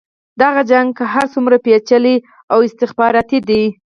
دغه جګړه که هر څومره پېچلې او استخباراتي ده.